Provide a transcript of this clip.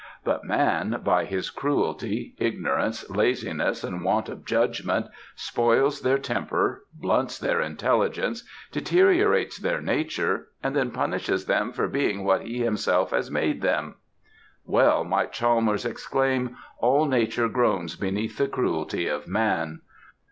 But man, by his cruelty, ignorance, laziness, and want of judgment, spoils their temper, blunts their intelligence, deteriorates their nature, and then punishes them for being what he himself has made them. Well might Chalmers exclaim, 'All nature groans beneath the cruelty of man.'